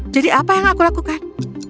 jadi apa yang aku lakukan